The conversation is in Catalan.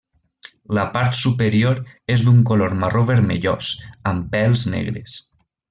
La part superior és d'un color marró vermellós, amb pèls negres.